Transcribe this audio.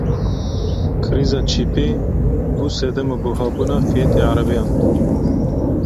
Krîza çîpê bû sedema bihabûna fiyetê erebeyan.